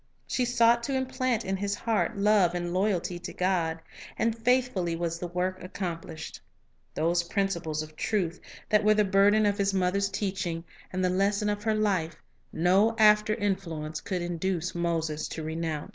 She sought to implant in his heart love and loyalty to God. And faithfully was the work accomplished. Those principles of truth that were the burden of his mother's teaching and the lesson of her life, no after influence could induce Moses to renounce.